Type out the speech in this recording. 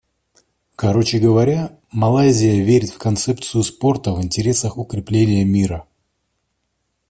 Короче говоря, Малайзия верит в концепцию спорта в интересах укрепления мира.